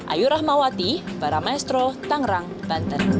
ayu rahmawati para maestro tangerang banten